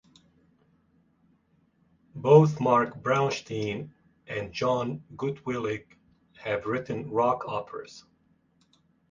Both Marc Brownstein and Jon Gutwillig have written rock operas.